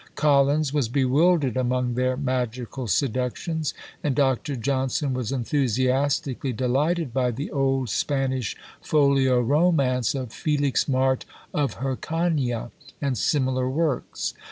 Collins was bewildered among their magical seductions; and Dr. Johnson was enthusiastically delighted by the old Spanish folio romance of "Felixmarte of Hircania," and similar works.